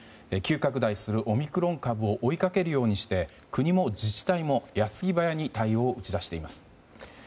急拡大するオミクロン株を追いかけるようにして国も自治体も矢継ぎ早に対応を打ち出しています。